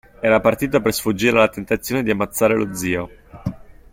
Era partito per sfuggire alla tentazione di ammazzare lo zio.